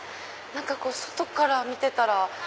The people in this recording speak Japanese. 外から見てたら。